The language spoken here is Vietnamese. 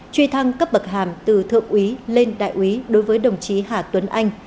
truy thăng cấp bậc hàm từ thượng úy lên đại úy đối với đồng chí hà tuấn anh